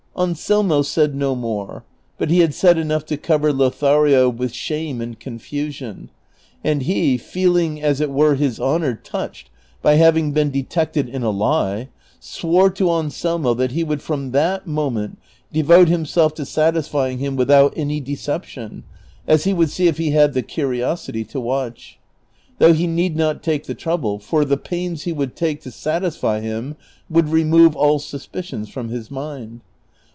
Anselmo said no more, but he had said enough to cover Lothario with shame and confusion, and he, feeling as it were iiis honor touched by having been detected in a lie, swore to Anselmo that he would from that moment devote himself to satisfying him without any deception, as he would see if he had the curiosity to watch ; though ho need not take the trouble, for the pains he would take to satisfy him would remove all suspicions from his mind.